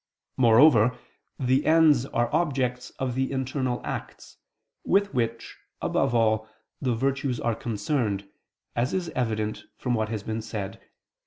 Moreover the ends are objects of the internal acts, with which, above all, the virtues are concerned, as is evident from what has been said (Q.